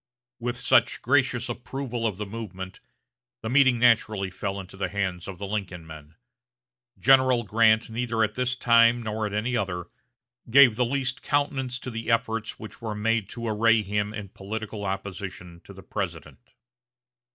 With such gracious approval of the movement the meeting naturally fell into the hands of the Lincoln men. General Grant neither at this time nor at any other, gave the least countenance to the efforts which were made to array him in political opposition to the President.